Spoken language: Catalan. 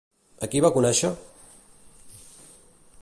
A qui va conèixer?